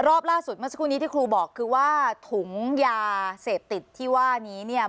รอบล่าสุดเมื่อสักครู่นี้ที่ครูบอกคือว่าถุงยาเสพติดที่ว่านี้เนี่ย